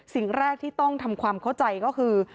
สิ่งแรกที่ต้องทำความเข้าใจก็คือ